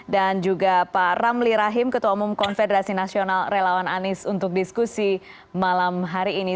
dan juga pak ramli rahim ketua umum konfederasi nasional relawan anies untuk diskusi malam hari ini